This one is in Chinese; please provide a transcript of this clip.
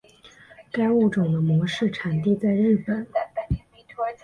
该物种的模式产地在日本。